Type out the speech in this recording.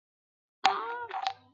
勒科人口变化图示